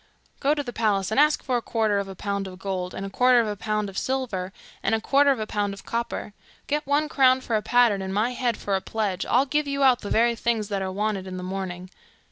'Go to the palace and ask for a quarter of a pound of gold, a quarter of a pound of silver, and a quarter of a pound of copper. Get one crown for a pattern, and my head for a pledge, I'll give you out the very things that are wanted in the morning.